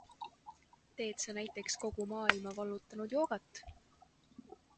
Teed sa näiteks kogu maailma vallutanud joogat?